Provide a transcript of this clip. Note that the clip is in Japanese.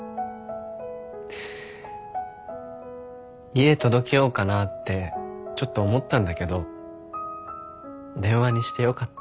家届けようかなってちょっと思ったんだけど電話にしてよかった。